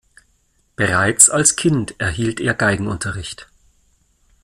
Bereits als Kind erhielt er Geigenunterricht.